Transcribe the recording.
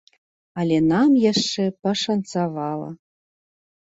Але нам яшчэ пашанцавала.